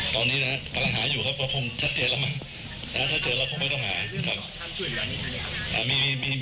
ตอนนี้นะครับกำลังหาอยู่ครับก็คงชัดเจนแล้วมั้งถ้าเจอเราคงไม่ต้องหา